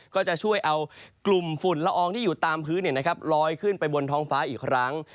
ก็จะช่วยเอากลุ่มฝุ่นละอองที่อยู่ตามพื้นลอยขึ้นไปบนท้องฟ้าอีกครั้ง